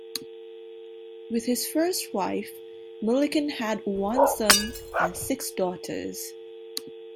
With his first wife, Milliken had one son and six daughters.